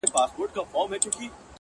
ما ويل څه به مي احوال واخلي”